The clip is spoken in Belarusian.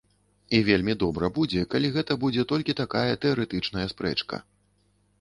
І вельмі добра будзе, калі гэта будзе толькі такая тэарэтычная спрэчка.